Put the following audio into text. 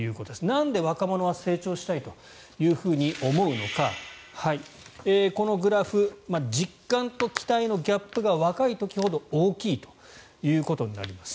なんで若者は成長したいと思うのかこのグラフ実感と期待のギャップが若い時ほど大きいということになります。